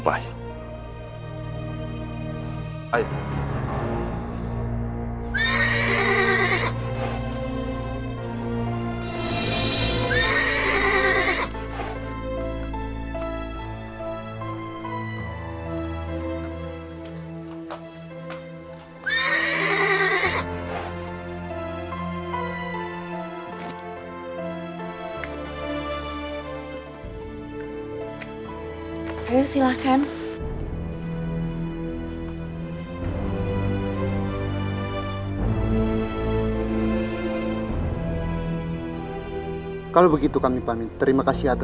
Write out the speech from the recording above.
begitu murahnya harga diri kamu